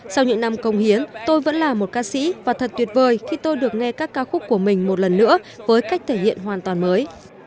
sau những năm công hiến tôi vẫn là một ca sĩ và thật tuyệt vời khi tôi được nghe các ca khúc của mình một lần nữa với cách thể hiện hoàn toàn mới